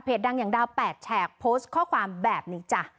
ดังอย่างดาว๘แฉกโพสต์ข้อความแบบนี้จ้ะ